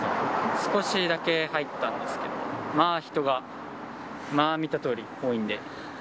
少しだけ入ったんですけど、まあ人が、見たとおり多いんで。